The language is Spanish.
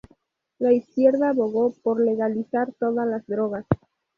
La Izquierda abogó por legalizar todas las drogas.